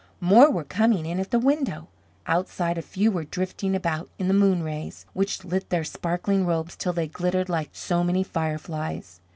More were coming in at the window; outside a few were drifting about in the moon rays, which lit their sparkling robes till they glittered like so many fireflies.